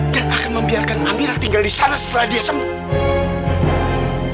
dan akan membiarkan amirah tinggal di sana setelah dia sempuh